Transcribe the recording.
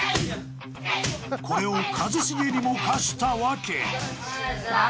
これを一茂にも課した訳